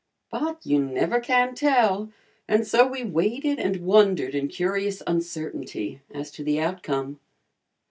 But "you never can tell," and so we waited and wondered in curious uncertainty as to the outcome.